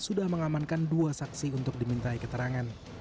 sudah mengamankan dua saksi untuk dimintai keterangan